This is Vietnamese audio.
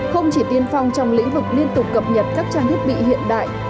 không chỉ tiên phong trong lĩnh vực liên tục cập nhật các trang thiết bị hiện đại